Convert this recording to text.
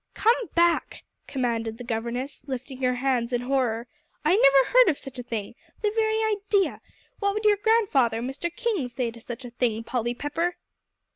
"Come back," commanded the governess, lifting her hands in horror. "I never heard of such a thing. The very idea! What would your grandfather, Mr. King, say to such a thing, Polly Pepper?"